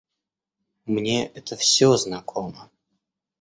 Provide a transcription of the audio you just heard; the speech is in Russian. Мне это всё знакомо.